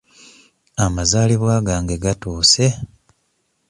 Amazaalibwa gange gatuuse.